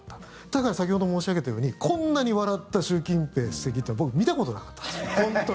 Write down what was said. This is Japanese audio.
だから、先ほど申し上げたようにこんなに笑った習近平主席っていうのは僕、見たことなかったんですよ。